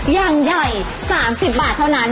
อย่างใหญ่๓๐บาทเท่านั้น